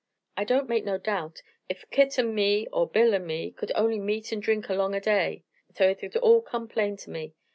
I don't make no doubt, ef Kit an' me er Bill an' me could only meet an' drink along day er so hit'd all come plain to me.